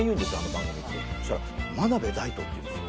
そしたら「真鍋大度」って言うんですよ。